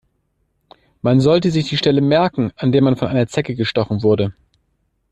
Man sollte sich die Stelle merken, an der man von einer Zecke gestochen wurde.